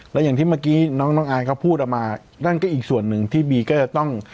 และอย่างที่เมื่อกี้น้องน้องอายเขาพูดออกมานั่นก็อีกส่วนหนึ่งที่บีก็จะต้อง